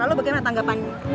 lalu bagaimana tanggapan